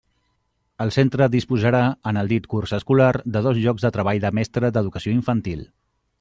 El centre disposarà, en el dit curs escolar, de dos llocs de treball de mestre d'Educació Infantil.